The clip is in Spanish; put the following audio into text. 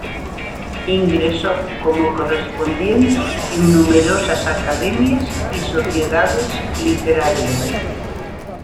Ingresó como correspondiente en numerosas academias y sociedades literarias.